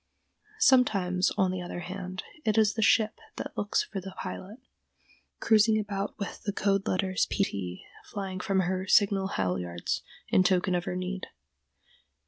Sometimes, on the other hand, it is the ship that looks for the pilot, cruising about with the code letters P T flying from her signal halyards in token of her need.